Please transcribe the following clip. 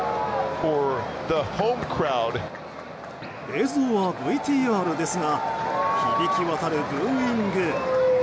映像はＶＴＲですが響き渡るブーイング。